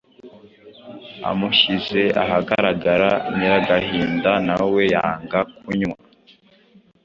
Amushyize ahagaragara Nyiragahinda na we yanga kunywa,